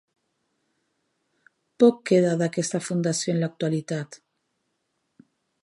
Poc queda d'aquesta fundació en l'actualitat.